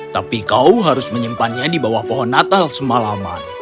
tapi kau harus menyimpannya di bawah pohon natal semalaman